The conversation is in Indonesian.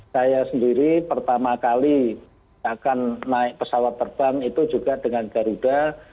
saya sendiri pertama kali akan naik pesawat terbang itu juga dengan garuda